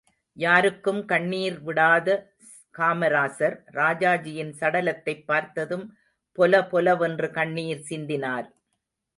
யாருக்கும் கண்ணீர் விடாத காமராசர், ராஜாஜியின் சடலத்தைப் பார்த்ததும் பொல பொல வென்று கண்ணீர் சிந்தினார்.